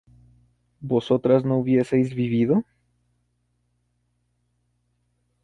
¿vosotras no hubieseis vivido?